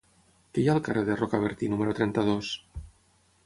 Què hi ha al carrer de Rocabertí número trenta-dos?